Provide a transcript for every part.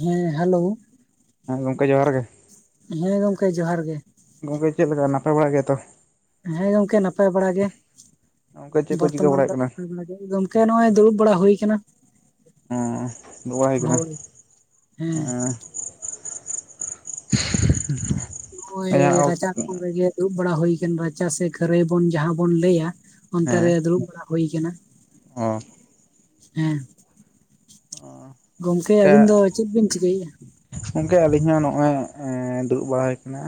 ᱦᱮᱸ ᱦᱟᱞᱳᱣ ᱦᱮᱸ ᱜᱚᱝᱠᱮ ᱡᱚᱦᱟᱨ ᱜᱮ ᱦᱮᱸ ᱜᱚᱝᱠᱮ ᱡᱚᱦᱟᱨ ᱜᱮ ᱜᱚᱝᱠᱮ ᱪᱮᱫ ᱞᱮᱠᱟ ᱱᱟᱯᱟᱭ ᱵᱟᱲᱟ ᱜᱮᱭᱟ ᱛᱚ ᱦᱮᱸ ᱜᱚᱝᱠᱮ ᱱᱟᱯᱟᱭ ᱵᱟᱲᱟ ᱜᱮ, ᱜᱚᱝᱠᱮ ᱪᱮᱫ ᱠᱚ ᱪᱤᱠᱟᱹ ᱵᱚᱨᱛᱚᱢᱟᱱ ᱵᱟᱲᱟᱭ ᱫᱚ ᱦᱩᱭᱩᱜ ᱠᱟᱱᱟ ᱱᱟᱯᱟᱭ ᱵᱟᱲᱟ ᱜᱮ ᱜᱚᱢ ᱠᱮ ᱱᱚᱜ-ᱚᱭ ᱫᱩᱲᱩᱵ ᱵᱟᱲᱟ ᱦᱩᱭ ᱠᱟᱱᱟ ᱦᱚᱸ ᱫᱩᱵᱟ ᱦᱩᱭ ᱠᱟᱱᱟ, ᱦᱳᱭ ᱦᱮᱸ ᱱᱚᱜᱼᱚᱭ ᱡᱟᱦᱟᱸ ᱨᱟᱪᱟ ᱠᱷᱚᱱ ᱨᱮᱜᱮ ᱫᱩᱵ ᱵᱟᱲᱟ ᱦᱩᱭ ᱠᱟᱱᱟ, ᱨᱟᱪᱟ ᱥᱮ ᱠᱷᱟᱹᱨᱟᱹᱭ ᱵᱚᱱ ᱡᱟᱦᱟᱸ ᱵᱚᱱ ᱞᱟᱹᱭᱟ ᱚᱱᱛᱮ ᱦᱮᱸ ᱨᱮ ᱫᱩᱲᱩᱵ ᱵᱟᱲᱟ ᱦᱩᱭ ᱠᱟᱱᱟ ᱚ ᱦᱮᱸ, ᱜᱚᱝᱠᱮ ᱟᱹᱵᱤᱱ ᱫᱚ ᱪᱮᱫ ᱵᱤᱱ ᱪᱤᱠᱟᱹᱭᱮᱫᱼᱟ? ᱜᱚᱝᱠᱮ ᱟᱞᱤᱧ ᱦᱚᱸ ᱱᱚᱜᱼᱚᱭ ᱮᱸ ᱫᱩᱲᱩᱵ ᱵᱟᱲᱟᱭ ᱠᱟᱱᱟ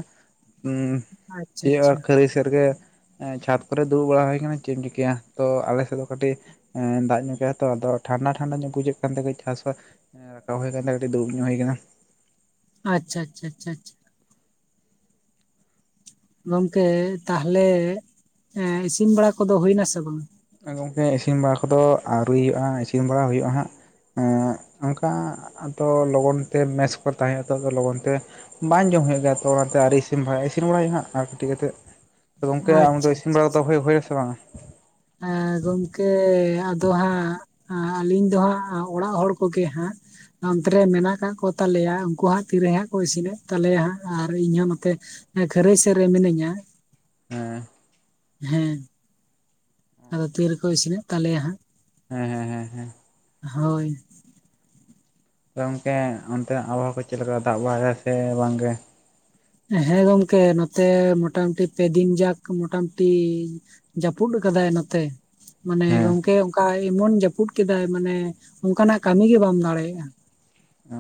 ᱩᱸ ᱟᱪᱪᱷᱟ ᱪᱮᱫ ᱟᱨ ᱟᱪᱪᱷᱟ ᱠᱷᱟᱹᱨᱟᱹᱭ ᱥᱮᱫ ᱨᱮ ᱜᱮ ᱦᱮᱸ ᱪᱷᱟᱫ ᱠᱚᱨᱮ ᱫᱩᱲᱩᱵ ᱵᱟᱲᱟ ᱦᱩᱭ ᱟᱠᱟᱱᱟ ᱪᱮᱫ ᱮᱢ ᱪᱤᱠᱟᱹᱭᱟ ᱛᱚ ᱟᱞᱮ ᱥᱮᱫ ᱫᱚ ᱠᱟᱹᱴᱤᱡ ᱮᱸ ᱫᱟᱜ ᱧᱚᱜ ᱠᱟᱫᱟᱭ ᱛᱚ ᱟᱫᱚ ᱴᱷᱟᱱᱰᱟ ᱴᱷᱟᱱᱰᱟ ᱧᱚᱜ ᱵᱩᱡᱷᱟᱹᱜ ᱠᱟᱱᱛᱮ ᱠᱟᱹᱡ ᱴᱷᱟᱥ ᱦᱚᱸ ᱨᱟᱠᱟᱵ ᱦᱩᱭ ᱠᱟᱱᱭᱮ ᱠᱟᱹᱴᱤᱡ ᱫᱩᱲᱩᱵ ᱧᱚᱜ ᱦᱩᱭ ᱠᱟᱱᱟ ᱟᱪᱪᱷᱟ ᱟᱪᱪᱷᱟ ᱟᱪᱪᱷᱟ ᱟᱪᱪᱷᱟ ᱟᱪᱪᱷᱟ ᱜᱚᱝᱠᱮ ᱛᱟᱦᱞᱮ ᱮᱸᱜ ᱤᱥᱤᱱ ᱵᱟᱲᱟ ᱠᱚᱫᱚ ᱦᱩᱭᱱᱟ ᱥᱮ ᱵᱟᱝ ᱜᱚᱝᱠᱮ ᱤᱥᱤᱱ ᱵᱟᱲᱟ ᱠᱚᱫᱚ ᱟᱣᱨᱤ ᱦᱩᱭᱩᱜᱼᱟ ᱦᱟᱸᱜ ᱤᱥᱤᱱ ᱵᱟᱲᱟ ᱦᱩᱭᱩᱜᱼᱟ ᱦᱟᱸᱜ ᱮᱸᱜ, ᱚᱱᱠᱟ ᱛᱚ ᱞᱚᱜᱚᱱ ᱛᱮ ᱢᱮᱥ ᱠᱚ ᱨᱮ ᱛᱟᱦᱮᱸ ᱱᱤᱛᱚᱜ ᱫᱚ ᱞᱚᱜᱚᱱ ᱛᱮ ᱵᱟᱝ ᱡᱚᱢ ᱦᱩᱭᱩᱜ ᱜᱮᱭᱟ ᱛᱚ ᱚᱱᱟᱛᱮ ᱟᱣᱨᱤ ᱤᱥᱤᱱ ᱤᱥᱤᱱ ᱵᱟᱲᱟᱭ, ᱤᱥᱤᱱ ᱵᱟᱲᱟᱭ ᱦᱩᱭᱩᱜᱼᱟ ᱦᱟᱸᱜ ᱟᱨ ᱠᱟᱹᱴᱤᱡ ᱠᱟᱛᱮᱫ ᱜᱚᱝᱠᱮ ᱟᱪᱪᱷᱟ ᱟᱢᱫᱚ ᱤᱥᱤᱱ ᱵᱟᱲᱟ ᱠᱚᱫᱚ ᱦᱩᱭ-ᱦᱩᱭᱱᱟ ᱥᱮ ᱵᱟᱝ ᱦᱮᱸ ᱜᱚᱢᱠᱮ ᱟᱫᱚ ᱦᱟᱸᱜ ᱟᱸ ᱟᱹᱞᱤᱧ ᱫᱚ ᱦᱟᱸᱜ ᱚᱲᱟᱜ ᱦᱚᱲ ᱠᱚᱜᱮ ᱦᱟᱸᱜ ᱚᱱᱛᱮ ᱨᱮ ᱢᱮᱱᱟᱜ ᱠᱟᱫ ᱠᱚ ᱛᱟᱞᱮᱭᱟ ᱩᱱᱠᱩ ᱦᱟᱸᱜ ᱛᱤᱨᱮ ᱦᱟᱸᱜ ᱠᱚ ᱤᱥᱤᱱ ᱮᱫ ᱛᱟᱞᱮᱭᱟ ᱦᱟᱸᱜ ᱟᱨ ᱤᱧᱦᱚᱸ ᱱᱚᱛᱮ ᱦᱮᱸ ᱠᱷᱟᱹᱨᱟᱹᱭ ᱥᱮᱫ ᱨᱮ ᱢᱤᱱᱟᱹᱧᱟ ᱦᱮᱸ ᱦᱮᱸ ᱟᱫᱚ ᱛᱤᱨᱮ ᱠᱚ ᱤᱥᱤᱱ ᱮᱫ ᱛᱟᱞᱮᱭᱟ ᱦᱟᱸᱜ ᱦᱮᱸ ᱦᱮᱸ ᱦᱮᱸ ᱦᱮᱸ ᱦᱳᱭ ᱜᱚᱝᱠᱮ ᱚᱱᱛᱮᱱᱟᱜ ᱟᱵᱚᱦᱟᱣᱟ ᱠᱚ ᱪᱮᱫᱞᱮᱠᱟ ᱫᱟᱜ ᱵᱟᱲᱟᱭᱮᱫᱟ ᱥᱮ ᱵᱟᱝᱜᱮ? ᱦᱮᱸ ᱜᱚᱝᱠᱮ ᱱᱚᱛᱮ ᱢᱚᱴᱟᱢᱩᱴᱤ ᱯᱮ ᱫᱤᱱ ᱡᱟᱠ ᱢᱚᱴᱟᱢᱩᱴᱤ ᱡᱟᱹᱯᱩᱫ ᱟᱠᱟᱫᱟᱭ ᱱᱚᱛᱮ ᱢᱟᱱᱮ ᱦᱮᱸ ᱜᱚᱝᱠᱮ ᱚᱱᱠᱟ ᱮᱢᱚᱱ ᱡᱟᱹᱯᱩᱫ ᱠᱮᱫᱟᱭ ᱢᱟᱱᱮ ᱚᱱᱠᱟᱱᱟᱜ ᱠᱟᱹᱢᱤ ᱜᱮ ᱵᱟᱢ ᱫᱟᱲᱮᱭᱟᱜᱼᱟ ᱚ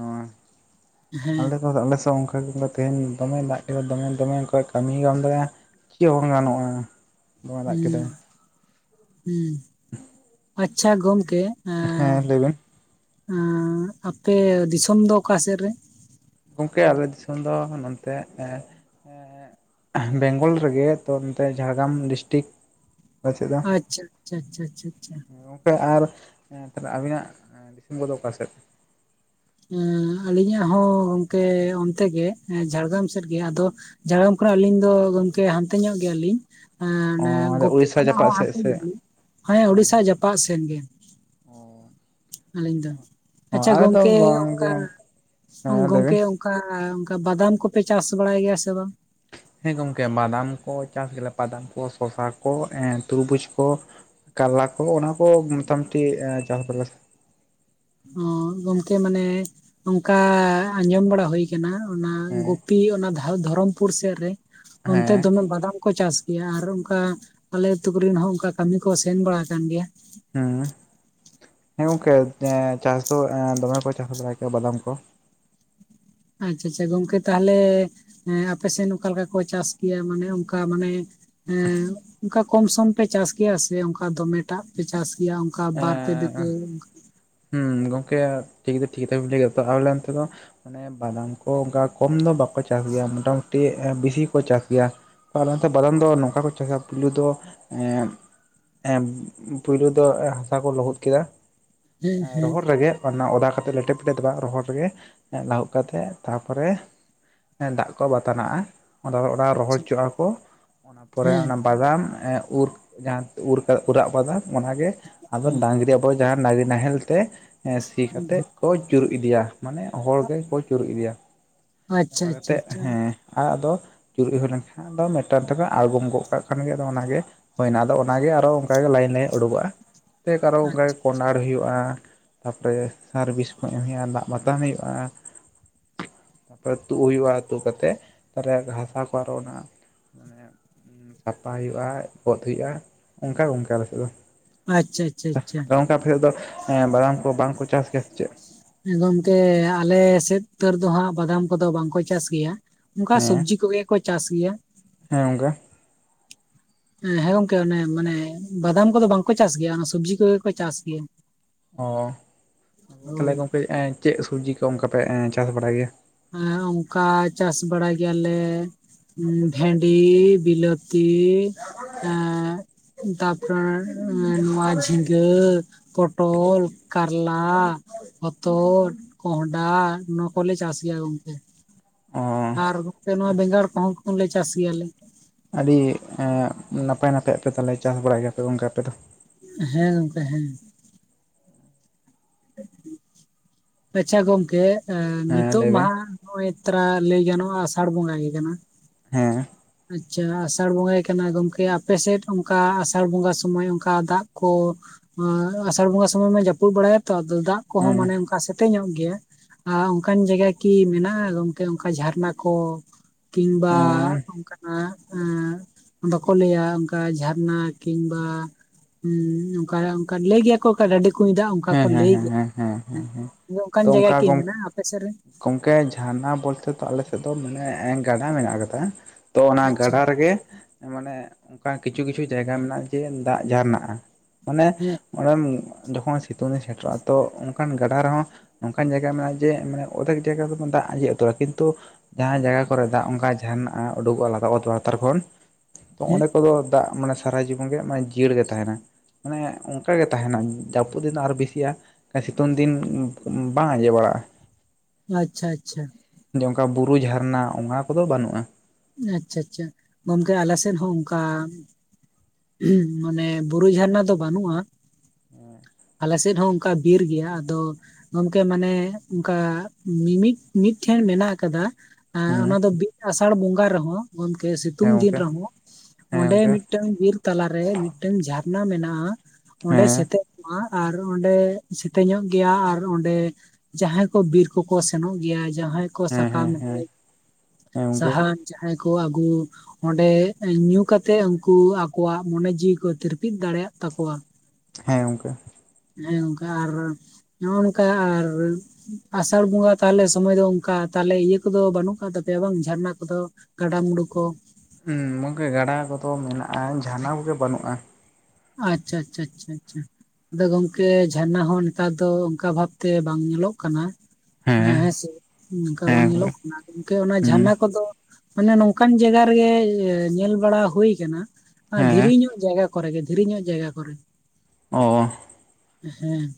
ᱦᱮᱸ ᱟᱞᱮ ᱫᱚ ᱟᱞᱮᱥᱮᱫ ᱦᱚᱸ ᱚᱜᱠᱟ ᱜᱮᱞᱮ ᱛᱮᱦᱮᱧ ᱫᱚᱢᱮ ᱫᱟᱜ ᱫᱚᱢᱮ ᱫᱚᱢᱮ ᱚᱝᱠᱟ ᱠᱟᱹᱢᱤ ᱦᱚᱸ ᱵᱟᱢ ᱫᱟᱲᱮᱭᱟᱜᱼᱟ ᱪᱮᱫ ᱵᱟᱝ ᱜᱟᱱᱚᱜᱼᱟ᱾ ᱫᱚᱢᱮ ᱫᱟᱜ ᱦᱩᱸ ᱠᱮᱫᱟᱭ ᱦᱩᱸ ᱟᱪᱷᱟ ᱜᱚᱢᱠᱮ ᱦᱮᱸ ᱞᱟᱹᱭᱵᱮᱱ ᱮᱸᱜ ᱟᱯᱮ ᱫᱤᱥᱚᱢ ᱫᱚ ᱚᱠᱟ ᱥᱮᱫ ᱨᱮ ᱜᱚᱝᱠᱮ ᱟᱞᱮ ᱫᱤᱥᱚᱢ ᱫᱚ ᱱᱚᱱᱛᱮ ᱮᱸᱜ ᱮᱸᱜ, ᱵᱮᱝᱜᱚᱞ ᱨᱮᱜᱮ, ᱛᱚ ᱱᱚᱛᱮ ᱡᱷᱟᱲᱜᱨᱟᱢ ᱰᱤᱥᱴᱤᱠ ᱟᱞᱮ ᱥᱮᱫ ᱫᱚ ᱟᱪᱪᱷᱟ ᱟᱪᱷᱟ ᱟᱪᱪᱷᱟ ᱪᱷᱟ ᱪᱷᱟ ᱪᱷᱟ ᱮ [inaudible] ᱟᱨ ᱟᱵᱤᱱᱟᱜ ᱫᱤᱥᱚᱢ ᱠᱚᱫᱚ ᱚᱠᱟ ᱥᱮᱫ ᱟᱹᱞᱤ ᱧᱟᱜ ᱦᱚᱸ ᱜᱚᱝᱠᱮ ᱚᱱᱛᱮ ᱜᱮ ᱡᱷᱟᱲᱜᱽᱨᱟᱢ ᱥᱮᱫ ᱜᱮ ᱟᱫᱚ ᱡᱷᱟᱲᱜᱽᱨᱟᱢ ᱠᱷᱚᱱᱟᱜ ᱟᱹᱞᱤᱧ ᱫᱚ ᱜᱚᱝᱠᱮ ᱦᱟᱱᱛᱮ ᱧᱚᱜ ᱜᱮᱭᱟ ᱞᱤᱧ ᱚ ᱜᱩᱯᱤ ᱩᱲᱤᱥᱥᱟ ᱠᱷᱚᱱᱟᱜ ᱡᱟᱯᱟᱜ ᱦᱚᱸ ᱥᱮᱫ ᱟᱰᱤ ᱥᱮ ᱦᱟᱱᱮ ᱩᱲᱤᱥᱥᱟ ᱡᱟᱯᱟᱜ ᱥᱮᱱ ᱜᱮ ᱟᱹᱞᱤᱧ ᱫᱚ ᱚ ᱟᱪᱷᱟ ᱟᱞᱮ ᱫᱚ ᱜᱚᱝᱠᱮ ᱵᱟᱝ ᱚᱱᱠᱟ ᱜᱮ ᱦᱮᱸ ᱞᱟᱹᱭ ᱜᱚᱝᱠᱮ ᱵᱤᱱ ᱚᱱᱠᱟ ᱚᱱᱠᱟ ᱵᱟᱫᱟᱢ ᱠᱚᱯᱮ ᱪᱟᱥ ᱵᱟᱲᱟᱭ ᱜᱮᱭᱟ ᱥᱮ ᱵᱟᱝ ᱦᱮᱸ ᱜᱚᱝᱠᱮ ᱵᱟᱫᱟᱢ ᱠᱚ ᱪᱟᱥ ᱜᱮᱞᱮ ᱵᱟᱫᱟᱢ ᱠᱚ ᱥᱚᱥᱟ ᱠᱚ ᱛᱩᱨᱵᱩᱡᱽ ᱠᱚ ᱠᱟᱨᱞᱟ ᱠᱚ ᱚᱱᱟ ᱠᱚ ᱢᱚᱴᱟ ᱢᱩᱴᱤ ᱪᱟᱥ ᱫᱟᱞᱮ ᱚ ᱜᱚᱝᱠᱮ ᱢᱟᱱᱮ ᱚᱱᱠᱟ ᱟᱸᱡᱚᱢ ᱵᱟᱲᱟ ᱦᱩᱭ ᱟᱠᱟᱱᱟ ᱦᱩᱭ ᱠᱟᱱᱟ ᱚᱱᱟ ᱦᱮᱸ ᱜᱩᱯᱤ ᱚᱱᱟ ᱫᱷᱚᱨᱚᱢ ᱯᱩᱨ ᱥᱮᱫ ᱨᱮ ᱚᱱᱛᱮ ᱦᱮᱸ ᱫᱚᱢᱮ ᱵᱟᱫᱟᱢ ᱠᱚ ᱪᱟᱥᱟ ᱭᱟ ᱟᱨ ᱚᱱᱠᱟ ᱟᱞᱮ ᱟᱹᱛᱩ ᱠᱚᱨᱮᱱ ᱦᱚᱸ ᱚᱱᱠᱟ ᱠᱟᱹᱢᱤ ᱠᱚ ᱥᱮᱱ ᱵᱟᱲᱟ ᱠᱟᱱᱟᱱ ᱜᱮᱭᱟ ᱦᱩᱸ ᱦᱮᱸ ᱜᱚᱝᱠᱮ ᱪᱟᱥ ᱫᱚ ᱫᱚᱢᱮ ᱠᱚ ᱪᱟᱥ ᱵᱟᱲᱟᱭ ᱜᱮᱭᱟ ᱵᱟᱫᱟᱢ ᱠᱚ ᱟᱪᱷᱟ ᱟᱪᱷᱟ ᱜᱚᱝᱠᱮ ᱛᱟᱦᱞᱮ ᱟᱯᱮ ᱥᱮᱫ ᱚᱠᱟ ᱞᱮᱠᱟ ᱠᱚ ᱪᱟᱥ ᱠᱮᱭᱟ ᱢᱟᱱᱮ ᱚᱱᱠᱟ ᱢᱟᱱᱮ ᱮ ᱚᱱᱠᱟ ᱠᱚᱢ ᱥᱚᱢ ᱯᱮ ᱪᱟᱥ ᱜᱮᱭᱟ ᱥᱮ ᱚᱱᱠᱟ ᱫᱚᱢᱮ ᱴᱟᱜ ᱯᱮ ᱪᱟᱥ ᱜᱮᱭᱟ ᱚᱱᱠᱟ ᱵᱟᱨ ᱯᱮ ᱵᱤᱜᱷᱟᱹ ᱟᱨ [inaudible] ᱦᱩᱸ ᱜᱚᱝᱠᱮ ᱴᱷᱤᱠ ᱫᱚ ᱴᱷᱤᱠ ᱜᱮ ᱠᱟᱛᱷᱟ ᱵᱤᱱ ᱞᱟᱹᱭ ᱠᱮᱫᱟ ᱛᱚ ᱟᱞᱮ ᱚᱱᱛᱮ ᱫᱚ ᱟᱱᱮ ᱵᱟᱫᱟᱢ ᱠᱚ ᱚᱱᱠᱟ ᱠᱚᱢ ᱫᱚ ᱵᱟᱠᱚ ᱪᱟᱥ ᱜᱮᱭᱟ ᱢᱚᱴᱟ ᱢᱩᱴᱤ ᱵᱤᱥᱤ ᱠᱚ ᱪᱟᱥ ᱜᱮᱭᱟ ᱛ ᱚᱱᱟᱛᱮ ᱵᱟᱫᱟᱢ ᱫᱚ ᱱᱚᱝᱠᱟ ᱠᱚ ᱪᱟᱥᱟ ᱯᱩᱭᱞᱩ ᱫᱚ ᱮᱸᱜ ᱯᱳᱭᱞᱩ ᱫᱚ ᱦᱟᱥᱟ ᱠᱚ ᱞᱚᱦᱩᱫ ᱠᱮᱫᱟ ᱦᱮᱸ ᱦᱮᱸ ᱨᱚᱦᱚᱲ ᱨᱮᱜᱮ ᱚᱱᱟ ᱚᱫᱟ ᱠᱟᱛᱮᱫ ᱞᱮᱴᱮ ᱯᱮᱴᱮ ᱫᱚ ᱵᱟᱝ ᱨᱚᱦᱚᱲ ᱨᱮᱜᱮ ᱞᱟᱹᱦᱩᱫ ᱠᱟᱛᱮᱜ ᱛᱟᱨ ᱯᱚᱨᱮ ᱫᱟᱜ ᱠᱚ ᱵᱟᱛᱟ ᱱᱟᱜᱼᱟ ᱚᱱᱟ ᱨᱚᱦᱚᱲ ᱦᱚᱪᱚᱣᱟᱜᱼᱟ ᱠᱚ ᱚᱱᱟ ᱯᱚᱨᱮ ᱦᱮᱸ ᱦᱮᱸ ᱚᱱᱟ ᱵᱟᱫᱟᱢ ᱩᱨ ᱡᱟᱦᱟᱸ ᱩᱨ ᱩᱨᱟᱜ ᱵᱟᱫᱟᱢ ᱚᱱᱟᱜᱮ ᱟᱫᱚ ᱦᱮᱸ ᱰᱟᱝᱨᱤᱼᱼ ᱦᱳᱭ ᱡᱟᱦᱟᱱ ᱰᱟᱝᱨᱤ ᱱᱟᱦᱮᱞ ᱛᱮ ᱥᱤ ᱠᱟᱛᱮᱜ ᱠᱚ ᱪᱩᱨᱩᱜ ᱤᱫᱤᱭᱟ ᱢᱟᱱᱮ ᱦᱚᱲ ᱜᱮᱠᱚ ᱪᱩᱨᱩᱜ ᱤᱫᱤᱭᱟ ᱟᱪᱪᱷᱟ ᱚᱱᱠᱟ ᱟᱪᱪᱷᱟ ᱠᱟᱛᱮᱜ ᱟᱪᱪᱷᱟ ᱦᱮᱸ ᱟᱨ ᱟᱫᱚ ᱪᱩᱨᱩᱡ ᱦᱩᱭ ᱞᱮᱱ ᱠᱷᱟᱱ ᱟᱫᱚ ᱢᱤᱫ ᱴᱟᱝ ᱛᱮᱠᱚ ᱟᱬᱜᱚᱢ ᱜᱚᱫ ᱠᱟᱜ ᱠᱷᱟᱱ ᱜᱮ ᱟᱫᱚ ᱚᱱᱟ ᱜᱮ ᱦᱩᱭᱱᱟ ᱟᱫᱚ ᱚᱱᱟ ᱜᱮ ᱟᱨ ᱦᱚ ᱚᱱᱠᱟᱜᱮ ᱞᱟᱭᱤᱱ ᱞᱟᱭᱤᱱ ᱩᱰᱩᱠᱚᱜᱼᱟ [unintelligible] ᱠᱷᱮᱛ ᱟᱨ ᱦᱚ ᱚᱱᱠᱟ ᱜᱮ ᱠᱚᱸᱰᱟᱨ ᱦᱩᱭᱩᱜᱼᱟ ᱛᱟᱨᱯᱚᱨᱮ ᱥᱟᱨᱵᱷᱤᱥ ᱠᱚ ᱮᱢ ᱦᱩᱭᱩᱜᱼᱟ ᱫᱟᱜ ᱵᱟᱛᱟᱱ ᱦᱩᱭᱩᱜᱼᱟ ᱛᱟᱯᱚᱨᱮ ᱛᱩᱫ ᱦᱩᱭᱩᱜᱼᱟ ᱛᱩᱫ ᱠᱟᱛᱮ ᱛᱟᱞᱦᱮ ᱜᱟᱥᱟ ᱠᱚ ᱟᱨᱚ ᱚᱱᱟ ᱢᱮ ᱥᱟᱯᱟᱭ ᱦᱩᱭᱩᱜᱼᱟ ᱜᱚᱛ ᱦᱩᱭᱩᱜᱼᱟ ᱚᱱᱠᱟ ᱚᱝᱠᱟ ᱟᱞᱮ ᱥᱮᱫ ᱫᱚ ᱟᱪᱷᱟ ᱟᱪᱷᱟ ᱚᱱᱠᱟ ᱟᱯᱮᱥᱮᱫ ᱫᱚ ᱵᱟᱫᱟᱢ ᱠᱚ ᱵᱟᱝ ᱠᱚ ᱪᱟᱥ ᱜᱮᱭᱟ ᱥᱮ ᱪᱮᱫ ᱜᱚᱝᱠᱮ ᱟᱞᱮ ᱥᱮᱫ ᱩᱛᱟᱹᱨ ᱫᱚ ᱦᱟᱸᱜ ᱵᱟᱫᱟᱢ ᱠᱚᱫᱚ ᱵᱟᱝ ᱠᱚ ᱪᱟᱥ ᱜᱮᱭᱟ ᱚᱱᱠᱟ ᱦᱮᱸ ᱥᱚᱵᱽᱡᱤ ᱠᱚᱜᱮ ᱠᱚ ᱪᱟᱥ ᱜᱮᱭᱟ ᱦᱮᱸ ᱜᱚᱝᱠᱮ ᱦᱮᱸ ᱜᱚᱝᱠᱮ ᱚᱱᱮ ᱢᱟᱱᱮ ᱵᱟᱫᱟᱢ ᱠᱚᱫᱚ ᱵᱟᱝᱠᱚ ᱪᱟᱥ ᱜᱮᱭᱟ ᱥᱚᱵᱽᱡᱤ ᱠᱚᱜᱮ ᱠᱚ ᱪᱟᱥ ᱜᱮᱭᱟ ᱚᱻ ᱟ [inaudible] ᱛᱟᱦᱚᱞᱮ ᱦᱳᱭ ᱜᱚᱝᱠᱮ ᱪᱮᱫ ᱥᱚᱵᱽᱡᱤ ᱠᱚ ᱚᱱᱠᱟᱯᱮ ᱪᱟᱥ ᱵᱟᱲᱟᱭ ᱜᱮᱭᱟ ᱦᱮᱸ ᱚᱱᱠᱟ ᱪᱟᱥ ᱵᱟᱲᱟᱭ ᱜᱮᱭᱟᱞᱮ ᱵᱷᱮᱱᱰᱤ ᱵᱤᱞᱟᱹᱛᱤ ᱟᱨ ᱛᱟᱯᱚᱨᱮ ᱱᱚᱶᱟ ᱡᱷᱤᱸᱜᱟᱹ ᱯᱚᱴᱚᱞ ᱠᱟᱨᱞᱟ ᱦᱚᱛᱚᱫ ᱠᱚᱸᱦᱰᱟ ᱱᱚᱣᱟ ᱠᱚᱞᱮ ᱪᱟᱥ ᱜᱮᱭᱟ ᱜᱚᱝᱠᱮ ᱚ ᱟᱨ ᱜᱚᱝᱠᱮ ᱱᱚᱣᱟ ᱵᱮᱸᱜᱟᱲ ᱠᱚᱦᱚᱸᱠᱷᱚᱱ ᱞᱮ ᱪᱟᱥ ᱜᱮᱭᱟᱞᱮ ᱟᱹᱰᱤ ᱮ ᱱᱟᱯᱟᱭ ᱱᱟᱯᱟᱭᱟᱜ ᱯᱮ ᱛᱟᱞᱮ ᱪᱟᱥ ᱵᱟᱲᱟᱭ ᱜᱮᱭᱟᱯᱮ ᱜᱚᱝᱠᱮ ᱟᱯᱮ ᱫᱚ ᱦᱮᱸ ᱜᱚᱝᱠᱮ ᱦᱮᱸ ᱟᱪᱷᱟ ᱜᱚᱝᱠᱮ ᱦᱮᱸ ᱱᱤᱛᱚᱜ ᱞᱟᱹᱭ ᱵᱤᱱ ᱢᱟᱦᱟ ᱱᱚᱜᱼᱚᱭ ᱛᱨᱟ ᱞᱟᱹᱭ ᱜᱟᱱᱚᱜᱼᱟ ᱟᱥᱟᱲ ᱵᱚᱸᱜᱟ ᱜᱮ ᱠᱟᱱᱟ ᱦᱮᱸ ᱟᱪᱷᱟ ᱟᱥᱟᱲ ᱵᱚᱸᱜᱟ ᱜᱮ ᱠᱟᱱᱟ ᱜᱚᱝᱠᱮ ᱟᱯᱮ ᱥᱮᱫ ᱚᱱᱠᱟ ᱟᱥᱟᱲ ᱵᱚᱸᱜᱟ ᱥᱚᱢᱚᱭ ᱚᱱᱠᱟ ᱫᱟᱜ ᱠᱚ ᱚ ᱟᱥᱟᱲ ᱵᱚᱸᱜᱟ ᱥᱚᱢᱚᱭ ᱢᱟ ᱡᱟᱹᱯᱩᱫ ᱵᱟᱲᱟᱭᱟ ᱛᱚ ᱟᱫᱚ ᱫᱟᱜ ᱠᱚᱦᱚᱸ ᱦᱮᱸ ᱢᱟᱱᱮ ᱚᱱᱠᱟ ᱥᱮᱫ ᱛᱮ ᱧᱚᱜ ᱜᱮᱭᱟ ᱚᱱᱠᱟᱱ ᱡᱟᱭᱜᱟ ᱠᱤ ᱢᱮᱱᱟᱜᱼᱟ ᱜᱚᱝᱠᱮ ᱚᱱᱠᱟ ᱡᱷᱟᱨᱱᱟ ᱠᱚ ᱦᱮᱸ ᱠᱤᱢᱵᱟ ᱦᱮᱸ ᱚᱱᱠᱟᱱᱟᱜ ᱮ ᱵᱟᱠᱚ ᱞᱟᱹᱭᱟ ᱚᱱᱠᱟ ᱡᱷᱟᱨᱱᱟ ᱠᱤᱢᱵᱟ ᱩ ᱚᱱᱠᱟ ᱚᱱᱠᱟ ᱞᱟᱹᱭ ᱜᱮᱭᱟ ᱠᱚ ᱚᱠᱟ ᱰᱟᱹᱰᱤ ᱠᱩᱧ ᱫᱟᱜ ᱚᱱᱠᱟ ᱠᱚ ᱦᱮᱸ ᱞᱟᱹᱭ ᱦᱮᱸ ᱜᱮᱭᱟ ᱦᱮᱸ ᱦᱮᱸ ᱦᱮᱸ ᱚᱱᱠᱟᱱ ᱡᱟᱭᱜᱟ ᱠᱤ ᱢᱮᱱᱟᱜᱼᱟ ᱟᱯᱮ ᱥᱮᱫ ᱨᱮ ᱜᱚᱢᱠᱮ ᱡᱷᱟᱨᱱᱟ ᱵᱚᱞᱛᱮ ᱫᱚ ᱟᱞᱮ ᱥᱮᱫ ᱫᱚ ᱢᱟᱱᱮ ᱜᱟᱰᱟ ᱢᱮᱱᱟᱜ ᱠᱟᱫᱟ ᱛᱚ ᱚᱱᱟ ᱟᱪᱪᱷᱟ ᱜᱟᱰᱟ ᱨᱮᱜᱮ ᱢᱟᱱᱮ ᱚᱱᱠᱟ ᱠᱤᱪᱷᱩ ᱠᱤᱪᱷᱩ ᱡᱟᱭᱜᱟ ᱢᱮᱱᱟᱜᱼᱟ ᱡᱮ ᱫᱟᱜ ᱡᱷᱟᱨᱱᱟᱜ-ᱟ ᱢᱟᱱᱮ ᱦᱮᱸ ᱢᱟᱹᱨᱟᱢ ᱡᱚᱠᱷᱚᱱ ᱥᱤᱛᱩᱝ ᱫᱤᱱ ᱥᱮᱴᱮᱨᱚᱜᱼᱟ ᱛᱚ ᱚᱱᱠᱟᱱ ᱜᱟᱰᱟ ᱨᱮᱦᱚᱸ ᱱᱚᱝᱠᱟᱱ ᱡᱟᱭᱜᱟ ᱢᱮᱱᱟᱜᱼᱟ ᱡᱮ ᱢᱟᱱᱮ ᱚᱫᱷᱮᱠ ᱡᱟᱭᱜᱟ ᱨᱮᱫᱚ ᱫᱟᱜ ᱟᱡᱮᱜ ᱩᱛᱟᱹᱨᱟᱹᱜ-ᱟ ᱠᱤᱱᱛᱩ ᱡᱟᱦᱟᱸ ᱡᱟᱭᱜᱟ ᱠᱚᱨᱮ ᱫᱟᱜ ᱚᱱᱠᱟ ᱡᱷᱟᱹᱨᱱᱟᱜ-ᱟ ᱩᱰᱩᱠᱚᱜᱼᱟ ᱞᱟᱜ ᱞᱟᱛᱟᱨ ᱠᱷᱚᱱ ᱛᱚ ᱦᱮᱸ ᱚᱸᱰᱮ ᱠᱚᱫᱚ ᱫᱟᱜ ᱢᱟᱱᱮ ᱥᱟᱨᱟ ᱡᱤᱵᱚᱱ ᱜᱮ ᱢᱟᱱᱮ ᱡᱤᱭᱟᱹᱲ ᱜᱮ ᱛᱟᱦᱮᱱᱟ ᱢᱟᱱᱮ ᱚᱱᱠᱟᱜ ᱜᱮ ᱛᱟᱦᱮᱱᱟ ᱡᱟᱯ ᱯᱩᱜ ᱫᱤᱱ ᱫᱚ ᱟᱨ ᱵᱤᱥᱤᱜᱼᱟ ᱥᱤᱛᱩᱝ ᱫᱤᱱ ᱵᱟᱝ ᱟᱸᱡᱮᱫ ᱵᱟᱲᱟᱜᱼᱟ ᱟᱪᱪᱷᱟ ᱟᱪᱪᱷᱟ ᱡᱮ ᱚᱱᱠᱟ ᱵᱩᱨᱩ ᱡᱷᱟᱨᱱᱟ ᱚᱱᱟ ᱠᱚᱫᱚ ᱵᱟᱹᱱᱩᱜᱼᱟ᱾ ᱟᱪᱪᱷᱟ ᱟᱪᱪᱷᱟ ᱜᱚᱝᱠᱮ ᱟᱞ ᱥᱮᱫ ᱦᱚᱸ ᱚᱱᱠᱟ [unintelligible] ᱢᱟᱱᱮ ᱵᱩᱨ ᱡᱷᱟᱨᱱᱟ ᱫᱚ ᱵᱟᱹᱱᱩᱜᱼᱟ [inaudible] ᱟᱞᱮ ᱥᱮᱫ ᱦᱚᱸ ᱚᱱᱠᱟ ᱵᱤᱨ ᱜᱮᱭᱟ ᱟᱫᱚ ᱜᱚᱝᱠᱮ ᱢᱟᱱᱮ ᱚᱱᱠᱟ ᱢᱤᱢᱤᱫ ᱢᱤᱫ ᱴᱷᱮᱱ ᱢᱮᱱᱟᱜ ᱟᱠᱟᱫᱟ ᱟᱻ ᱦᱩᱸ ᱚᱱᱟ ᱫᱚ ᱵᱤ ᱟᱥᱟᱲ ᱵᱚᱸᱜᱟ ᱨᱮᱦᱚᱸ ᱜᱚᱢᱠᱮ ᱥᱤᱛᱩᱝ ᱦᱮᱸ ᱫᱤᱱ ᱜᱚᱝᱠᱮ ᱨᱮᱦᱚᱸ ᱦᱮᱸ ᱚᱸᱰᱮ ᱜᱚᱝᱠᱮ ᱢᱤᱫᱴᱟᱝ ᱵᱤᱨ ᱛᱟᱞᱟᱨᱮ ᱢᱤᱫᱴᱟᱝ ᱡᱷᱟᱨᱱᱟ ᱢᱮᱱᱟᱜᱼᱟ ᱚᱸᱰᱮ ᱦᱮᱸ ᱥᱮᱛᱮᱜ ᱟᱨ ᱚᱸᱰᱮ ᱥᱮᱛᱮᱧ ᱧᱚᱜ ᱜᱮᱭᱟ ᱟᱨ ᱚᱸᱰᱮ ᱡᱟᱦᱟᱸᱭ ᱠᱚ ᱵᱤᱨ ᱠᱚᱠᱚ ᱥᱮᱱᱚᱜ ᱜᱮᱭᱟ ᱡᱟᱦᱟᱸᱭ ᱠᱚ ᱦᱮᱸ ᱥᱟᱠᱟᱢ ᱦᱮᱸ ᱦᱮᱸ ᱦᱮᱡ ᱦᱮᱸ ᱜᱚᱝᱠᱮ ᱥᱟᱦᱟᱱ ᱡᱟᱦᱟᱸᱭ ᱠᱚ ᱟᱹᱜᱩ ᱚᱸᱰᱮ ᱧᱩ ᱠᱟᱛᱮᱜ ᱩᱱᱠᱩ ᱟᱠᱚᱣᱟᱜ ᱢᱚᱱᱮ ᱡᱤᱣᱤ ᱠᱚ ᱛᱤᱨᱯᱤᱫ ᱫᱟᱲᱮᱭᱟᱜ ᱛᱟᱠᱚᱣᱟ ᱦᱮᱸ ᱜᱚᱝᱠᱮ ᱦᱮᱸ ᱚᱱᱠᱟ ᱟᱨ ᱱᱚᱜ ᱱᱚᱝᱠᱟ ᱟᱨ ᱟᱥᱟᱲ ᱵᱚᱸᱜᱟ ᱛᱟᱦᱚᱞᱮ ᱥᱚᱢᱚᱭ ᱫᱚ ᱚᱱᱠᱟ ᱛᱟᱦᱚᱞᱮ ᱤᱭᱟᱹ ᱠᱚᱫᱚ ᱵᱟᱹᱱᱩᱜ ᱟᱠᱟᱫ ᱛᱟᱯᱮᱭᱟ ᱵᱟᱝ ᱡᱷᱟᱨᱱᱟ ᱠᱚᱫᱚ ᱜᱟᱰᱟᱼ ᱢᱩᱩᱰᱩ ᱠᱚ ᱦᱩ ᱜᱚᱢᱠᱮ ᱜᱟᱰᱟ ᱠᱚᱫᱚ ᱢᱮᱱᱟᱜᱼᱟ ᱡᱟᱱᱟ ᱠᱚᱜ ᱜᱮ ᱵᱟᱹᱱᱩᱜᱼᱟ ᱟᱪᱪᱷᱟ ᱟᱪᱪᱷᱟ ᱟᱪᱪᱷᱟ ᱟᱪᱪᱷᱟ ᱟᱫᱚ ᱜᱚᱝᱠᱮ ᱡᱷᱟᱨᱱᱟ ᱦᱚᱸ ᱱᱮᱛᱟᱨ ᱫᱚ ᱚᱱᱠᱟ ᱵᱷᱟᱵᱛᱮ ᱵᱟᱝ ᱧᱮᱞᱚᱜ ᱠᱟᱱᱟ᱾ ᱦᱮᱸ ᱦᱮᱸᱥᱮ ᱚᱝᱠᱟ ᱦᱮᱸ ᱵᱟᱝ ᱜᱚᱝᱠᱮ ᱧᱮᱞᱚᱜ ᱠᱟᱱᱟ ᱜᱚᱝᱠᱮ ᱚᱱᱟ ᱦᱩᱸ ᱡᱷᱟᱨᱱᱟ ᱠᱚᱫᱚ ᱢᱟᱱᱮ ᱱᱚᱝᱠᱟᱱ ᱡᱟᱭᱜᱟ ᱨᱮᱜᱮ ᱧᱮᱞ ᱵᱟᱲᱟ ᱦᱩᱭᱩᱠᱟᱱᱟ ᱦᱮᱸ ᱫᱷᱤᱨᱤ ᱧᱚᱜ ᱡᱟᱭᱜᱟ ᱠᱚᱨᱮ ᱜᱮ ᱫᱷᱤᱨᱤ ᱧᱚᱜ ᱡᱟᱭᱜᱟ ᱠᱚᱨᱮ ᱚᱻ ᱦᱮᱸ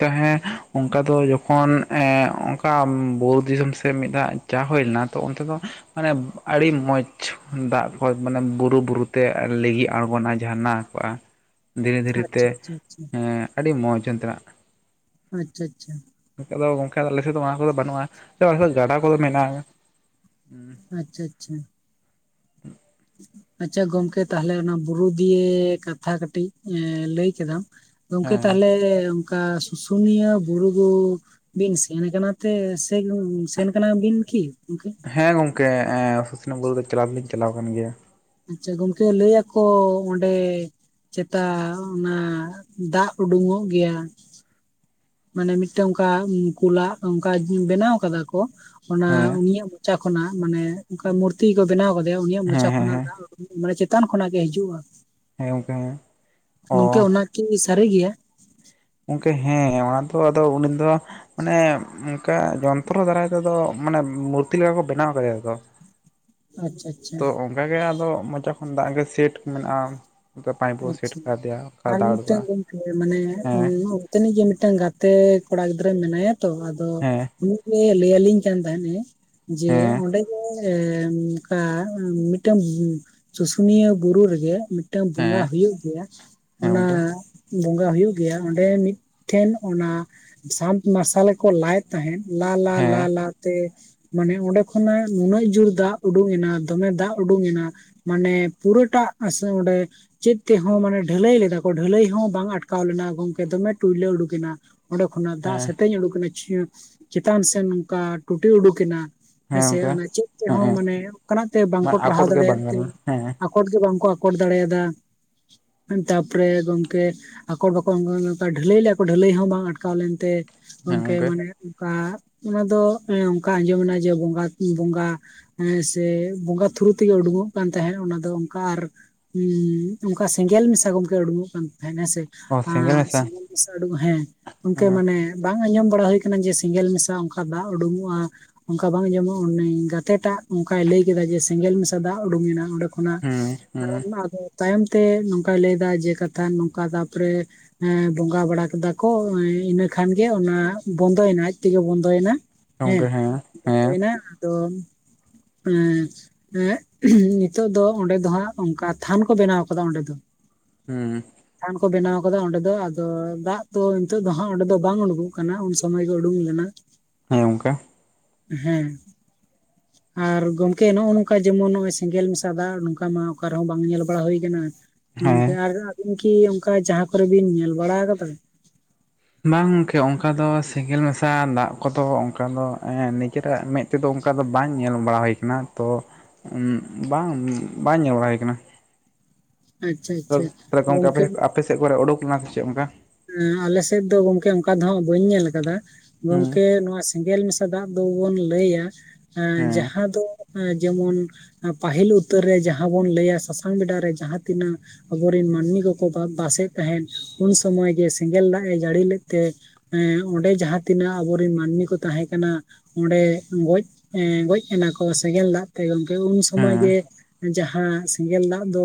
ᱛᱟᱦᱮᱸ ᱚᱱᱠᱟ ᱫᱚ ᱡᱚᱠᱷᱚᱱ ᱮ ᱚᱱᱠᱟ ᱵᱩᱨᱩ ᱫᱤᱥᱚᱢ ᱥᱮᱫ ᱢᱤᱫ ᱫᱷᱟᱣ ᱪᱟ ᱦᱩᱭ ᱞᱮᱱᱟ ᱛᱚ ᱚᱱᱛᱮ ᱫᱚ ᱟᱨᱮ ᱟᱹᱰᱤ ᱢᱚᱸᱡᱽ ᱫᱟᱜ ᱯᱷᱚᱞ ᱢᱟᱱᱮ ᱵᱩᱨᱩ ᱵᱩᱨᱩᱛᱮ ᱞᱤᱜᱤ ᱟᱬᱜᱚᱱᱟ ᱡᱷᱟᱨᱱᱟ ᱠᱚᱜᱼᱟ ᱫᱷᱤᱨᱤ ᱫᱷᱤᱨᱤ ᱛᱮ ᱟᱪᱪᱷᱟ ᱟᱪᱪᱷᱟ ᱟᱪᱪᱷᱟ ᱮ ᱟᱹᱰᱤ ᱢᱚᱡ ᱚᱱᱛᱮᱱᱟᱜ ᱟᱪᱪᱷᱟ ᱟᱪᱪᱷᱟ ᱱᱚᱛᱮ ᱫᱚ ᱜᱚᱝᱠ ᱟᱞᱮᱥᱮᱫ ᱫᱚ ᱚᱱᱟ ᱠᱚᱫᱚ ᱵᱟᱹᱱᱩᱜᱼᱟ ᱟᱞᱮ ᱥᱮᱫ ᱫᱚ ᱜᱟᱰᱟ ᱠᱚᱫᱚ ᱢᱮᱱᱟᱜᱼᱟ [unintelligible] ᱟᱪᱪᱷᱟ ᱟᱪᱪᱷᱟ ᱟᱪᱪᱷᱟ ᱜᱚᱢᱠᱮ ᱛᱟᱦᱞᱮ ᱚᱱᱟ ᱵᱩᱨᱩ ᱫᱤᱭᱮ ᱠᱟᱛᱷᱟ ᱠᱟᱹᱴᱤᱡ ᱞᱟᱹᱭ ᱠᱮᱫᱟᱢ ᱜᱚᱝᱠᱮ ᱦᱮᱸ ᱛᱟᱦᱚᱞᱮ ᱚᱱᱠᱟ ᱥᱩᱥᱩᱱᱤᱭᱟᱹ ᱵᱩᱨᱩ ᱫᱩ ᱵᱤᱱ ᱥᱮᱱ ᱠᱟᱱᱟ ᱛᱮ ᱥᱮ ᱥᱮᱱ ᱠᱟᱱᱟ ᱵᱤᱱ ᱠᱤ? ᱦᱮᱸ ᱜᱚᱝᱠᱮ ᱥᱩᱥᱱᱟ ᱵᱩᱨᱩ ᱫᱚ ᱪᱟᱞᱟᱣ ᱫᱚᱞᱤᱧ ᱪᱟᱞᱟᱣ ᱟᱠᱟᱱ ᱜᱮᱭᱟ᱾ ᱟᱪᱪᱷᱟ ᱜᱚᱝᱠᱮ ᱞᱟᱹᱭ ᱟᱠᱚ ᱚᱸᱰᱮ ᱪᱮᱛᱟ ᱚᱱᱟ ᱫᱟᱜ ᱩᱰᱩᱝ-ᱚᱜ ᱜᱮᱭᱟ᱾ ᱢᱟᱱᱮ ᱢᱤᱫᱴᱮᱱ ᱚᱱᱠᱟ ᱠᱩᱞᱟᱜ ᱚᱱᱠᱟ ᱵᱮᱱᱟᱣ ᱟᱠᱟᱫᱟ ᱠᱚ ᱚᱱᱟ ᱦᱮᱸ ᱩᱱᱤᱭᱟᱜ ᱢᱚᱪᱟ ᱠᱷᱚᱱᱟᱜ ᱢᱟᱱᱮ ᱚᱱᱠᱟ ᱢᱩᱨᱛᱤ ᱠᱚ ᱵᱮᱱᱟᱣ ᱟᱠᱟᱫᱮᱭᱟ ᱩᱱᱤᱭᱟᱜ ᱦᱮᱸ ᱢᱚᱪᱟ ᱦᱮᱸ ᱠᱷᱚᱱᱟᱜ ᱦᱮᱸ ᱫᱟᱜ ᱢᱟᱱᱮ ᱪᱮᱛᱟᱱ ᱠᱷᱚᱱᱟᱜ ᱜᱮ ᱦᱤᱡᱩᱜᱼᱟ, ᱦᱮᱸ ᱜᱚᱝᱠᱮ ᱦᱮᱸ ᱚ ᱜᱚᱝᱠᱮ ᱚᱱᱟᱠᱤ ᱥᱟᱹᱨᱤ ᱜᱮᱭᱟ? ᱜᱚᱢᱠᱮ ᱦᱮᱸ ᱟᱫᱚ, ᱟᱫᱚ, ᱩᱱᱤ ᱫᱚ ᱢᱟᱱᱮ ᱚᱱᱠᱟ ᱡᱚᱱᱛᱨᱚ ᱫᱟᱨᱟᱭ ᱛᱮᱫᱚ ᱢᱟᱱᱮ ᱢᱩᱨᱛᱤ ᱞᱮᱠᱟ ᱠᱚ ᱵᱮᱱᱟᱣ ᱠᱟᱫᱮᱭᱟ ᱟᱫᱚ᱾ ᱟᱪᱪᱷᱟ᱾ ᱟᱪᱪᱷᱟ ᱛᱚ ᱚᱱᱠᱟᱜᱮ ᱟᱫᱚ ᱢᱚᱪᱟ ᱠᱷᱚᱱ ᱫᱟᱜ ᱜᱮ ᱥᱮᱴ ᱢᱮᱱᱟᱜᱼᱟ᱾ ᱯᱟᱭ ᱯᱚ [unintelligible] ᱥᱮᱴ ᱫᱮᱭᱟ ᱠᱷᱟᱨ ᱫᱟᱜ ᱚᱰᱜᱚᱜ-᱾ᱟ ᱤᱭᱟᱹ ᱢᱟᱱᱮ ᱚᱱᱛᱮᱱᱤᱡ ᱜᱮ ᱢᱤᱫᱴᱟᱝ ᱜᱟᱛᱮ ᱠᱚᱲᱟ ᱜᱤᱫᱽᱨᱟᱹ ᱢᱮᱱᱟᱭᱟ ᱛᱚ, ᱟᱫᱚ ᱦᱮᱸ ᱩᱱᱤ ᱞᱟᱹᱭ ᱟᱞᱤᱧ ᱠᱟᱱ ᱛᱟᱦᱮᱸᱱᱮ ᱡᱮ ᱦᱮᱸ ᱚᱸᱰᱮ ᱮ ᱚᱱᱠᱟ ᱢᱤᱫᱴᱟᱝ ᱥᱩᱥᱩᱱᱤᱭᱟᱹ ᱵᱩᱨᱩ ᱨᱮᱜᱮ ᱢᱤᱫᱴᱟᱝ ᱵᱚᱸᱜᱟ ᱦᱮᱸ ᱦᱩᱭᱩᱜ ᱜᱮᱭᱟ ᱦᱮᱸ ᱜᱚᱝᱠᱮ ᱚᱱᱟ ᱵᱚᱸᱜᱟ ᱦᱩᱭᱩᱜ ᱜᱮᱭᱟ ᱚᱸᱰᱮ ᱢᱤᱫᱴᱷᱮᱱ ᱚᱱᱟ ᱥᱟᱛ ᱢᱟᱨᱥᱟᱞᱮ ᱠᱚ ᱞᱟᱭ ᱛᱟᱦᱮᱡ ᱦᱮᱸ ᱞᱟ-ᱞᱟ-ᱞᱟ-ᱞᱟ ᱛᱮ ᱢᱟᱱᱮ ᱚᱸᱰᱮ ᱠᱷᱚᱱᱟᱜ ᱱᱩᱱᱟᱹᱜ ᱡᱳᱨ ᱫᱟᱜ ᱩᱰᱩᱠᱱᱟ ᱫᱚᱢᱮ ᱫᱟᱜ ᱩᱰᱩᱝ ᱮᱱᱟ᱾ ᱢᱟᱱᱮ ᱯᱩᱨᱟᱹᱴᱟ ᱟᱥᱚ ᱚᱸᱰᱮ ᱪᱮᱫ ᱛᱮᱦᱚᱸ ᱢᱟᱱᱮ ᱰᱷᱟᱹᱞᱟᱹᱭ ᱞᱮᱫᱟ ᱠᱚ ᱰᱷᱟᱹᱞᱟᱹᱭ ᱦᱚᱸ ᱵᱟᱝ ᱟᱴᱠᱟᱣ ᱞᱮᱱᱟ ᱜᱚᱢᱠᱮ ᱫᱚᱢᱮ ᱴᱩᱭᱞᱟᱹ ᱩᱰᱩᱠᱮᱱᱟ᱾ ᱚᱸᱰᱮ ᱠᱷᱚᱱᱟᱜ ᱫᱟᱜ ᱦᱮᱸ ᱥᱮᱛᱮᱧ ᱩᱰᱩ ᱠᱮᱱᱟ ᱪᱮᱛᱟᱱ ᱥᱮᱫ ᱱᱚᱝᱠᱟ ᱴᱩᱴᱤ ᱩᱰᱩᱠ ᱮᱱᱟ᱾ ᱦᱮᱸ ᱦᱮᱸᱥᱮ ᱜᱚᱝᱠᱮ ᱚᱱᱟ ᱪᱮᱫ ᱦᱮᱸ ᱛᱮᱦᱚᱸ ᱦᱮᱸ ᱢᱟᱱᱮ ᱚᱱᱠᱟᱱᱟᱜ ᱛᱮ ᱵᱟᱝᱠᱚ ᱟᱠᱚᱴ ᱴᱟᱨᱦᱟᱣ ᱜᱮ ᱫᱟᱲᱮᱭᱟᱜ ᱵᱟᱝ ᱛᱮ ᱜᱟᱱᱚᱜᱼᱟ ᱦᱮᱸ ᱟᱠᱚᱨ ᱜᱮ ᱵᱟᱝᱠᱚ ᱟᱠᱚᱴ ᱫᱟᱲᱮᱭᱟᱫᱟ᱾ ᱛᱯᱚᱨᱮ ᱜᱚᱢᱠᱮ ᱟᱠᱚ ᱵᱟᱠᱚ [unintelligible] ᱰᱷᱟᱹᱞᱟᱹᱭ ᱞᱮᱭᱟ ᱠᱚ ᱰᱷᱟᱹᱞᱟᱹᱭ ᱦᱚᱸ ᱵᱟᱝ ᱟᱴᱠᱟᱣ ᱞᱮᱱᱛᱮ ᱜᱚᱝᱠᱮ ᱢᱟᱱᱮ ᱚᱱᱠᱟ ᱚᱱᱟ ᱫᱚ ᱚᱱᱠᱟ ᱟᱸᱡᱚᱢᱱᱟ ᱡᱮ ᱵᱚᱸᱜᱟ ᱵᱚᱸᱜᱟ ᱦᱮᱸ ᱥᱮ ᱵᱚᱸᱜᱟ ᱛᱷᱩᱨᱩ ᱛᱮᱜᱮ ᱩᱰᱩᱠᱚᱜ ᱠᱟᱱ ᱛᱟᱦᱮᱸ ᱚᱱᱟ ᱫᱚ ᱚᱱᱠᱟ ᱟᱨ ᱚᱱᱠᱟ ᱥᱮᱸᱜᱮᱞ ᱢᱮᱥᱟᱜᱚᱝᱠᱮ ᱩᱰᱩᱠᱚᱜ ᱠᱟᱱ ᱛᱟᱦᱮᱸ ᱦᱮᱸ ᱥᱮ? ᱚ ᱥᱮᱸᱜᱮᱞ ᱟᱸ ᱢᱮᱥᱟ ᱥᱮᱸᱜᱮᱞ [inaudible] ᱦᱮᱸ ᱜᱚᱝᱠᱮ ᱦᱮᱸ ᱢᱟᱱᱮ ᱵᱟᱝ ᱟᱸᱡᱚᱢ ᱵᱟᱲᱟ ᱦᱩᱭᱩ ᱟᱠᱟᱱᱟ ᱡᱮ ᱥᱮᱸᱜᱮᱞ ᱢᱮᱥᱟ ᱚᱱᱠᱟ ᱫᱟᱜ ᱩᱰᱩᱝᱚᱜᱼᱟ᱾ ᱚᱱᱠᱟ ᱵᱟᱝ ᱟᱸᱡᱚᱢᱚᱜᱼᱟ ᱩᱱᱤ ᱜᱟᱛᱮᱴᱟᱜ ᱚᱱᱠᱟᱭ ᱞᱟᱹᱭ ᱠᱮᱫᱟ ᱡᱮ ᱥᱮᱸᱜᱮᱞ ᱢᱮᱥᱟ ᱫᱟᱜ ᱩᱰᱩᱠᱮᱱᱟ ᱚᱸᱰᱮ ᱠᱷᱚᱱ ᱠᱷᱚ ᱦᱮᱸ ᱦᱮᱸ ᱠᱟᱨᱚᱱ ᱟᱫᱚ ᱛᱟᱭᱚᱢ ᱛᱮ ᱱᱚᱝᱠᱟᱭ ᱞᱟᱹᱭ ᱮᱫᱟ ᱡᱮ ᱠᱟᱛᱷᱟ ᱱᱚᱝᱠᱟ ᱛᱟᱨᱯᱚᱨᱮ ᱮ ᱵᱚᱸᱜᱟ ᱵᱟᱲᱟ ᱠᱮᱫᱟ ᱠᱚ ᱮᱸ ᱤᱱᱟᱹ ᱠᱷᱟᱱᱜᱮ ᱚᱱᱟ ᱵᱚᱱᱫᱚᱭᱮᱱᱟ ᱟᱡ ᱛᱮᱜᱮ ᱵᱚᱱᱫᱚᱭᱮᱱᱟ᱾ ᱦᱮᱸ ᱜᱚᱝᱠᱮ ᱦᱮᱸ [inaudible] ᱛᱚ [inaudible] ᱱᱤᱛᱚᱜ ᱫᱚ ᱚᱸᱰᱮ ᱫᱚ ᱦᱜ ᱚᱱᱠᱟ ᱛᱷᱟᱱ ᱠᱚ ᱵᱮᱱᱟᱣ ᱟᱠᱟᱫᱟ ᱚᱸᱰᱮ ᱫᱚ᱾ ᱦᱩᱸ ᱛᱷᱟᱱ ᱠᱚ ᱵᱮᱱᱟᱣ ᱟᱠᱟᱫᱟ ᱚᱸᱰᱮ ᱫᱚ ᱟᱫᱚ ᱫᱟᱜ ᱫᱚ ᱱᱤᱛᱚᱜ ᱫᱚ ᱦᱜ ᱚᱸᱰᱮ ᱫᱚ ᱵᱟᱝ ᱩᱰᱩᱠᱚᱜ ᱠᱟᱱᱟ ᱩᱱ ᱥᱚᱢᱚᱭ ᱜᱮ ᱩᱰᱩᱠ ᱞᱮᱱᱟ᱾ ᱦᱮᱸ ᱜᱚᱝᱠᱮ᱾ ᱦᱮᱸ᱾ ᱟᱨ ᱜᱚᱝᱠᱮ ᱱᱚᱜᱚ ᱱᱚᱝᱠᱟ ᱡᱮᱢᱚᱱ ᱱᱚᱜᱚᱭ ᱥᱮᱸᱜᱮᱞ ᱢᱮᱥᱟ ᱫᱟᱜ ᱱᱚᱝᱠᱟ ᱢᱟ ᱚᱠᱟ ᱨᱮᱦᱚᱸ ᱵᱟᱝ ᱧᱮᱞᱚᱜ ᱵᱟᱲᱟ ᱦᱩᱭ ᱟᱠᱟᱱ ᱜᱚᱝᱠᱮ ᱦᱮᱸ ᱟᱨ ᱟᱵᱤᱱ ᱠᱤ ᱚᱱᱠᱟ ᱡᱟᱦᱟᱸ ᱠᱚᱨᱮ ᱵᱤᱱ ᱧᱮᱞ ᱵᱟᱲᱟ ᱟᱠᱟᱫᱟ ᱵᱟᱝ ᱜᱚᱝᱠᱮ ᱚᱱᱠᱟ ᱫᱚ ᱥᱮᱸᱜᱮᱞ ᱢᱮᱥᱟ ᱫᱟᱜ ᱠᱚᱫᱚ ᱚᱱᱠᱟ ᱫᱚ ᱱᱤᱡᱮᱨᱟᱜ ᱢᱮᱫ ᱱᱚᱛᱮᱫᱚ ᱚᱱᱠᱟ ᱫᱚ ᱵᱟᱝ ᱧᱮᱞ ᱵᱟᱲᱟ ᱦᱩᱭ ᱟᱠᱟᱱᱟ ᱛᱚ ᱵᱟᱝ ᱵᱟᱝ ᱧᱮᱞ ᱵᱟᱲᱟ ᱦᱩᱭ ᱟᱠᱟᱱᱟ᱾ ᱟᱪᱪᱷᱟ ᱟᱪᱪᱷᱟ ᱛᱟᱦᱚᱞᱮ ᱜᱚᱝᱠᱮ ᱟᱯᱮ ᱟᱯᱮ ᱥᱮ ᱠᱚᱨᱮ ᱚᱰᱩᱠ ᱞᱮᱱᱟ ᱥᱮ ᱪᱮᱫ ᱚᱱᱠᱟ? ᱮᱸ ᱟᱞᱮᱥᱮᱫ ᱫᱚ ᱜᱚᱝᱠᱮ ᱚᱱᱠᱟ ᱫᱚᱦᱸᱜ ᱵᱟᱹᱧ ᱧᱮᱞ ᱟᱠᱟᱫᱟ ᱦᱮᱸ ᱜᱚᱝᱠᱮ ᱱᱚᱣᱟ ᱥᱮᱸᱜᱮᱞ ᱢᱮᱥᱟ ᱫᱟᱜ ᱫᱚᱵᱚᱱ ᱞᱟᱹᱭᱟᱹ ᱦᱮᱸ ᱡᱟᱦᱟᱸ ᱫᱚ ᱡᱮᱢᱚᱱ ᱯᱟᱹᱦᱤᱞ ᱩᱛᱟᱹᱨ ᱨᱮ ᱡᱟᱦᱟᱸ ᱵᱚᱱ ᱞᱟᱹᱭᱟ ᱥᱟᱥᱟᱝ ᱵᱮᱰᱟ ᱨᱮ ᱡᱟᱦᱟᱸ ᱛᱤᱱᱟᱹᱜ ᱟᱵᱚᱨᱮᱱ ᱢᱟᱹᱱᱢᱤ ᱠᱚᱠᱚ ᱵᱟᱥᱮᱫ ᱛᱟᱦᱮᱸ ᱩᱱ ᱥᱚᱢᱚᱭ ᱜᱮ ᱥᱮᱸᱜᱮᱞ ᱫᱟᱜ ᱮ ᱡᱟᱹᱲᱤ ᱞᱮᱫ ᱛᱮ ᱮᱸ ᱚᱸᱰᱮ ᱡᱟᱦᱟᱸ ᱛᱤᱱᱟᱹᱜ ᱟᱵᱚᱨᱮᱱ ᱢᱟᱹᱱᱢᱤ ᱠᱚ ᱛᱟᱦᱮᱸ ᱠᱟᱱᱟ ᱚᱸᱰᱮ ᱜᱚᱡ, ᱜᱚᱡ ᱮᱱᱟᱠᱚ ᱥᱮᱸᱜᱮᱞ ᱫᱟᱜ ᱛᱮ᱾ ᱩᱱ ᱦᱮᱸ ᱥᱚᱢᱚᱭ ᱜᱮ ᱡᱟᱦᱟᱥ ᱥᱮᱸᱜᱮᱞ ᱫᱟᱜ ᱫᱚ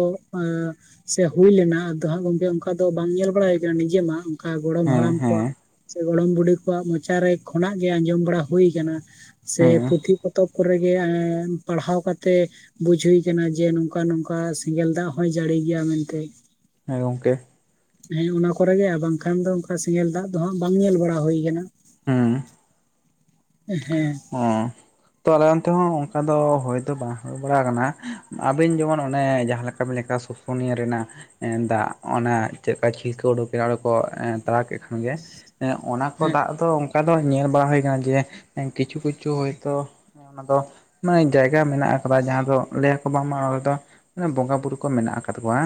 ᱥᱮ ᱦᱩᱭ ᱞᱮᱱᱟ ᱟᱫᱚ ᱦᱟᱜ ᱜᱚᱝᱠᱮ ᱚᱱᱠᱟ ᱫᱚ ᱵᱟᱝ ᱧᱮᱞ ᱵᱟᱲᱟᱭ ᱱᱤᱡᱮ ᱢᱟ ᱚᱱᱠᱟ ᱜᱚᱲᱚᱢ ᱦᱮᱸ ᱦᱮᱸ ᱦᱟᱲᱟᱢ ᱠᱚᱣᱟᱜ ᱥᱮ ᱜᱚᱲᱚᱢ ᱵᱩᱰᱷᱤ ᱠᱚᱣᱟᱜ ᱢᱚᱪᱟ ᱨᱮ ᱠᱷᱚᱱᱟᱜ ᱜᱮ ᱟᱸᱡᱚᱢ ᱵᱟᱲᱟ ᱦᱩᱭ ᱟᱠᱟᱱᱟ ᱥᱮ ᱦᱮᱸ ᱯᱩᱛᱷᱤ ᱯᱚᱛᱚᱵ ᱠᱚ ᱨᱮ ᱜᱮ ᱯᱟᱲᱦᱟᱣ ᱠᱟᱛᱮᱜ ᱵᱩᱡ ᱦᱩᱭ ᱟᱠᱟᱱᱟ ᱡᱮ ᱱᱚᱝᱠᱟ ᱱᱚᱝᱠᱟ ᱥᱮᱸᱜᱮᱞ ᱫᱟᱜ ᱦᱚᱭ ᱡᱟᱹᱲᱤ ᱜᱮᱭᱟ ᱢᱮᱱ ᱛᱮ ᱦᱮᱸ ᱜᱚᱝᱠᱮ ᱦᱮᱸ ᱚᱱᱟ ᱠᱚᱨᱮ ᱜᱮ ᱟᱨ ᱵᱟᱝ ᱠᱷᱟᱱ ᱫᱚ ᱚᱱᱠᱟ ᱥᱮᱸᱜᱮᱞ ᱫᱟᱜ ᱫᱚ ᱦᱟᱸᱜ ᱵᱟᱝ ᱧᱮᱞ ᱵᱟᱲᱟ ᱦᱩᱭ ᱠᱟᱱᱟᱹ ᱦᱩᱸ ᱦᱮᱸ ᱦᱚᱸ ᱛᱚ ᱟᱞᱮ ᱚᱱᱛᱮ ᱦᱚᱸ ᱚᱱᱠᱟ ᱫᱚ ᱦᱩᱭ ᱫᱚ ᱵᱟᱝ ᱦᱩᱭ ᱵᱟᱲᱟ ᱟᱠᱟᱱᱟ ᱟᱵᱤᱱ ᱡᱮᱢᱚᱱ ᱚᱱᱮ ᱡᱟᱦᱟᱸ ᱞᱮᱠᱟ ᱵᱤᱱ ᱞᱟᱹᱭ ᱯᱩᱱᱭᱟᱹ ᱨᱮᱱᱟᱜ ᱫᱟᱜ ᱚᱱᱟ ᱪᱮᱫ ᱞᱮᱠᱟ ᱪᱷᱤᱞᱠᱟᱹᱣ ᱩᱰᱩᱠ ᱮᱱᱟ ᱚᱸᱰᱮ ᱠᱚ ᱛᱟᱲᱟᱣ ᱠᱮᱫ ᱠᱷᱟᱱ ᱜᱮ ᱚᱱᱟ ᱠᱚ ᱦᱮᱸ ᱫᱟᱜ ᱫᱚ ᱚᱱᱠᱟ ᱫᱚ ᱧᱮᱞ ᱵᱟᱝ ᱦᱩᱭ ᱠᱟᱱᱟ ᱡᱮ ᱠᱤᱪᱷᱩ ᱠᱤᱪᱷᱩ ᱦᱳᱭ ᱛᱚ ᱚᱱᱟ ᱫᱚ ᱢᱟᱱᱮ ᱡᱟᱭᱜᱟ ᱢᱮᱱᱟᱜ ᱟᱠᱟᱫᱟ ᱡᱟᱦᱟᱸ ᱫᱚ ᱞᱟᱹᱭ ᱟᱠᱚ ᱵᱟᱝ ᱢᱟ ᱚᱱᱰᱮ ᱫᱚ ᱢᱮ ᱵᱚᱸᱜᱟ ᱵᱩᱨᱩ ᱠᱚ ᱢᱮᱱᱟᱜ ᱟᱠᱟᱫ ᱠᱚᱣᱟ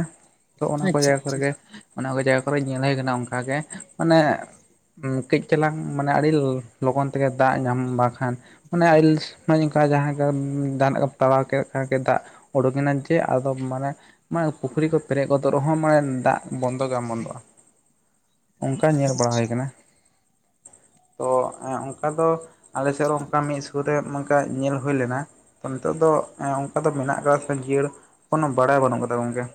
ᱛᱚ ᱚᱱᱟ ᱠᱚ ᱟᱪᱪᱷᱟ ᱡᱟᱭᱜᱟ ᱟᱪᱪᱷᱟ ᱠᱚᱨᱮ ᱜᱮ ᱚᱱᱟ ᱠᱚ ᱡᱟᱭᱜᱟ ᱠᱚᱨᱮᱜ ᱧᱮᱞ ᱦᱩᱭ ᱠᱟᱱᱟ ᱚᱱᱠᱟ ᱜᱮ ᱢᱟᱱᱮ ᱠᱟᱹᱡ ᱪᱟᱞᱟᱝ ᱢᱟᱱᱮ ᱟᱹᱰᱤ ᱞᱚᱜᱚᱱ ᱛᱮ ᱜᱮ ᱫᱟᱜ ᱧᱟᱢ ᱵᱟᱠᱷᱟᱱ ᱚᱱᱮ ᱟᱭᱤᱞᱥ ᱦᱚᱜᱚᱭ ᱱᱤᱝᱠᱟᱸ ᱡᱟᱦᱟᱸ ᱜᱮᱢ ᱡᱟᱦᱟᱱᱟᱜ ᱠᱚ ᱛᱟᱣᱟᱜ ᱠᱮᱫ ᱠᱷᱟᱱ ᱜᱮ ᱫᱟᱜ ᱩᱰᱩᱠ ᱮᱱᱟ ᱡᱮ ᱟᱫᱚ ᱢᱟᱱᱮ ᱢᱟᱱᱮ ᱯᱩᱠᱷᱨᱤ ᱠᱚ ᱯᱮᱨᱮᱡ ᱜᱚᱫᱚᱜ ᱨᱮᱦᱚ ᱢᱟᱱᱮ ᱫᱟᱜ ᱵᱚᱱᱫᱚ ᱜᱮ ᱵᱟᱝ ᱵᱚᱱᱫᱚᱜ-ᱟ ᱚᱱᱠᱟ ᱧᱮᱞ ᱵᱟᱲᱟ ᱦᱩᱭ ᱠᱟᱱᱟ [unintelligible] ᱛᱚ ᱚᱱᱠᱟ ᱫᱚ ᱟᱞᱮ ᱥᱮᱫ ᱚᱱᱠᱟ ᱢᱤᱫ ᱥᱩᱨ ᱨᱮ ᱚᱱᱠᱟ ᱧᱮᱞ ᱦᱩᱭ ᱞᱮᱱᱟ ᱛᱚ ᱱᱤᱛᱚᱜ ᱫᱚ ᱚᱱᱠᱟ ᱫᱚ ᱢᱮᱱᱟᱜ ᱠᱟᱫᱟ ᱥᱮ ᱵᱟᱝ ᱡᱤᱭᱟᱹᱲ ᱠᱳᱱᱳ ᱵᱟᱲᱟᱭ ᱵᱟᱱᱩᱜ ᱠᱟᱫᱟ ᱜᱚᱝᱠᱮ